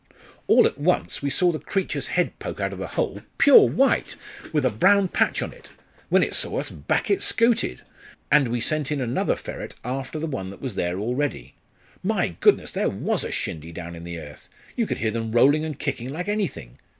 "All at once we saw the creature's head poke out of the hole pure white, with a brown patch on it. When it saw us, back it scooted! and we sent in another ferret after the one that was there already. My goodness! there was a shindy down in the earth you could hear them rolling and kicking like anything.